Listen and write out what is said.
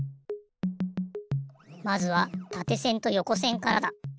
まずはたてせんとよこせんからだ。